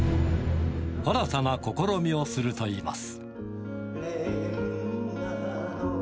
新たな試みをするといいます。